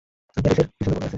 প্যারিসের পিছনে পড়ে আছে।